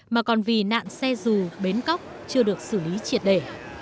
mà còn vì nạn xe dù bến cóc chưa được xử lý triệt để